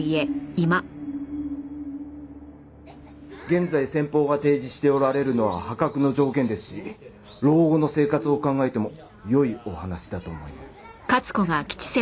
現在先方が提示しておられるのは破格の条件ですし老後の生活を考えても良いお話だと思います。